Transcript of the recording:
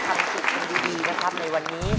ขอบคุณดีนะครับในวันนี้